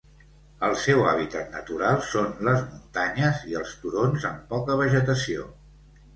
El seu hàbitat natural són les muntanyes i els turons amb poca vegetació.